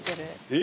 え！